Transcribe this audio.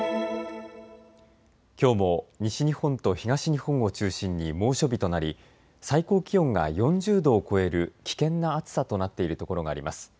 きょうも西日本と東日本を中心に猛暑日となり最高気温が４０度を超える危険な暑さとなっているところがあります。